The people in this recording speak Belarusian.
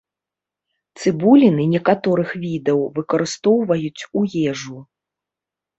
Цыбуліны некаторых відаў выкарыстоўваюць у ежу.